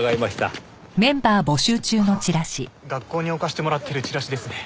ああ学校に置かせてもらってるチラシですね。